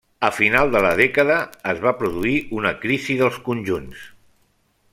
A final de la dècada es va produir una crisi dels conjunts.